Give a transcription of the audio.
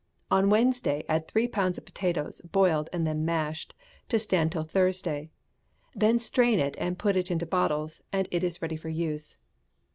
On Wednesday add three pounds of potatoes, boiled, and then mashed, to stand till Thursday; then strain it and put it into bottles, and it is ready for use.